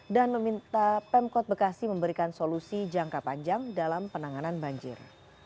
dan meminta pemkot bekasi memberikan solusi jangka panjang dalam penanganan banjir